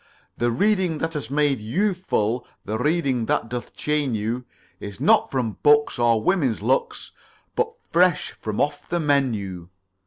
The reading that hath made you full, The reading that doth chain you, Is not from books, or woman's looks, But fresh from off the menu."